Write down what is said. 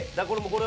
これ。